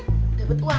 gak buat uang